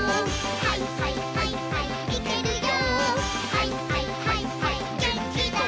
「はいはいはいはいマン」